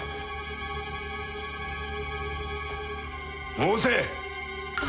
申せ！